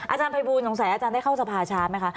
อาจารย์ภัยบูลสงสัยอาจารย์ได้เข้าสภาชาร์จไหมคะ